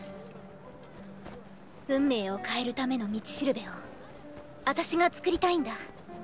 運命を変えるための道標をあたしがつくりたいんだ。